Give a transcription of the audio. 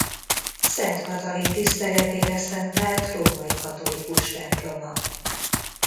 Szent Katalin tiszteletére szentelt római katolikus temploma.